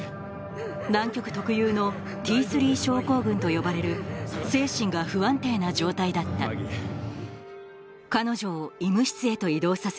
南極特有のＴ３症候群と呼ばれる精神が不安定な状態だった彼女を医務室へと移動させ